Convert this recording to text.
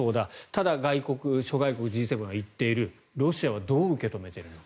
ただ、外国、諸外国Ｇ７は行っているロシアはどう受け止めているのか。